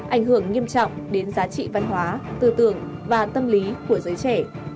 ảnh hưởng nghiêm trọng đến giá trị văn hóa tư tưởng và tâm lý của giới trẻ